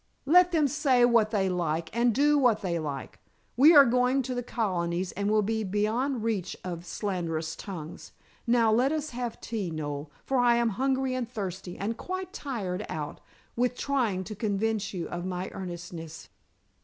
"Let them say what they like and do what they like. We are going to the Colonies and will be beyond reach of slanderous tongues. Now, let us have tea, Noel, for I am hungry and thirsty, and quite tired out with trying to convince you of my earnestness."